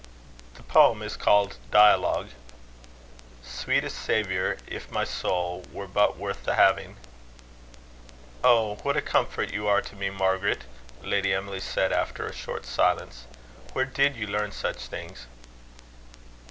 The poem is called Dialogue: "Sweetest Saviour, if my soul Were but worth the having " "Oh, what a comfort you are to me, Margaret!" Lady Emily said, after a short silence. Where did you learn such things?"